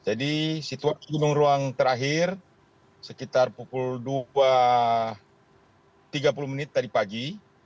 jadi situasi gunung ruang terakhir sekitar pukul dua tiga puluh tadi pagi